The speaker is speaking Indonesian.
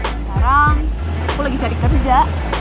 sekarang aku lagi cari kerja